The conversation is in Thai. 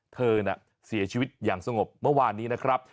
เธอน่ะเสียชีวิตอย่างสงบเมื่อวานนี้นะครับ